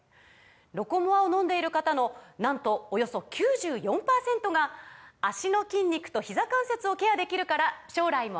「ロコモア」を飲んでいる方のなんとおよそ９４％が「脚の筋肉とひざ関節をケアできるから将来も安心！」とお答えです